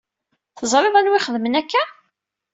Teẓriḍ anwa i ixedmen akka?